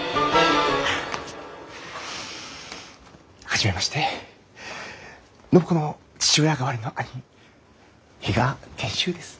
初めまして暢子の父親代わりの兄比嘉賢秀です。